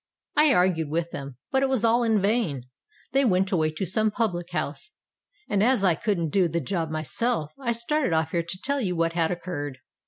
I argued with them—but it was all in vain: they went away to some public house; and as I couldn't do the job myself, I started off here to tell you what had occurred."